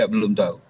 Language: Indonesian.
ya belum tahu